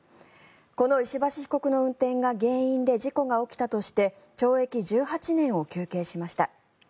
この石橋被告の運転が原因で事故が起きたとして懲役１８年を求刑しました。